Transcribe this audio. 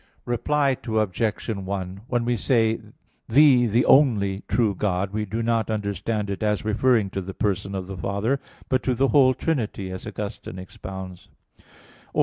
Reply Obj. 1: When we say, "Thee the only true God," we do not understand it as referring to the person of the Father, but to the whole Trinity, as Augustine expounds (De Trin.